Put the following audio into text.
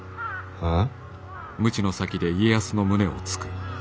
はあ。